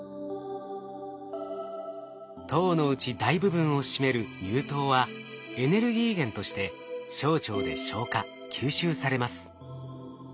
糖のうち大部分を占める乳糖はエネルギー源として小腸で消化吸収されます。